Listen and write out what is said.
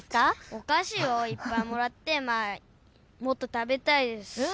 お菓子をいっぱいもらってもっと食べたいです。